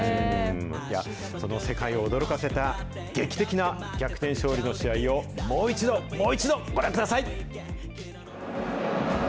その世界を驚かせた劇的な逆転勝利の試合をもう一度、もう一度、ご覧ください。